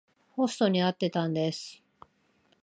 ホストに会ってたんです。